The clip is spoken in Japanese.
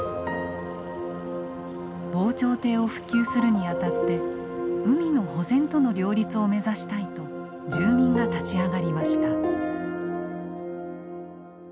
防潮堤を復旧するにあたって海の保全との両立を目指したいと住民が立ち上がりました。